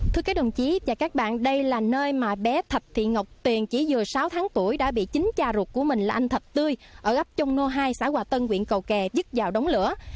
thưa các đồng chí và các bạn đây là nơi mà bé thạch thị ngọc tiền chỉ vừa sáu tháng tuổi đã bị chính cha ruột của mình là anh thạch tươi ở ấp trung nô hai xã hòa tân quyện cầu kè dứt vào đóng lửa